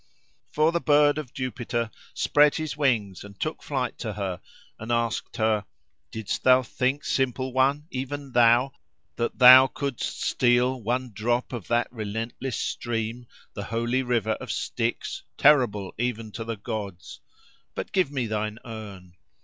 For the bird of Jupiter spread his wings and took flight to her, and asked her, "Didst thou think, simple one, even thou! that thou couldst steal one drop of that relentless stream, the holy river of Styx, terrible even to the gods? But give me thine urn."